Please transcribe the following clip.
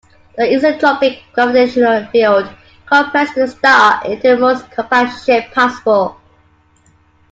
The isotropic gravitational field compresses the star into the most compact shape possible.